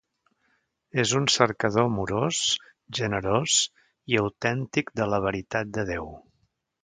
És un cercador amorós, generós i autèntic de la veritat de Déu.